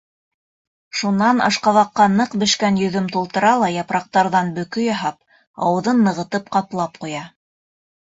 Шунан ашҡабаҡҡа ныҡ бешкән йөҙөм тултыра ла, япраҡтарҙан бөкө яһап, ауыҙын нығытып ҡаплап ҡуя.